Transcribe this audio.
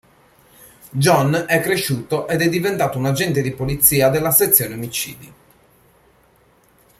John è cresciuto ed è diventato un agente di polizia della sezione omicidi.